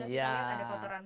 iya hasil semalam